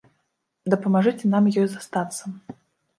Дапамажыце нам ёй застацца.